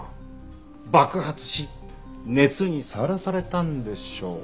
爆発し熱にさらされたんでしょう。